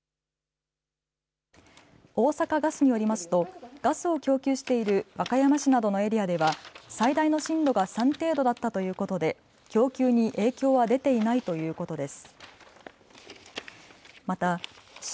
大阪ガスによりますとガスを供給している和歌山市などのエリアでは最大の震度は３程度だったということで、供給に影響は出ていないということです。